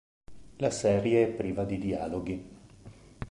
La serie è priva di dialoghi.